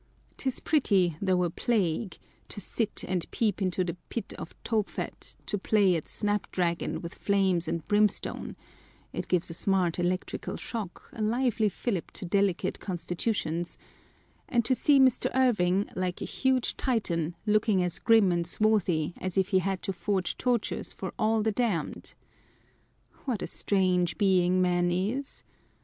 'Tis pretty, though a plague, to sit and peep into the pit of Tophet, to play at snapdragon with flames and brimstone (it gives a smart electrical shock, a lively fillip to delicate constitutions), and to see Mr. Irving,1 like a huge Titan, looking as grim and swarthy as if he had to forge tortures for all the damned ! What a strange being man is